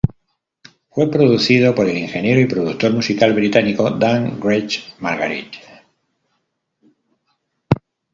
Fue producido por el ingeniero y productor musical británico Dan Grech-Marguerat.